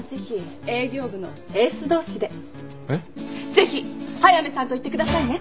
ぜひ速見さんと行ってくださいね。